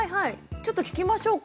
ちょっと聞きましょうか。